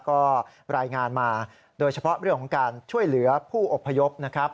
ก็รายงานมาโดยเฉพาะเรื่องของการช่วยเหลือผู้อพยพนะครับ